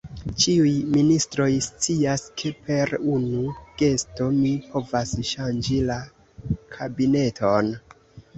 Ĉiuj ministroj scias, ke per unu gesto mi povas ŝanĝi la kabineton.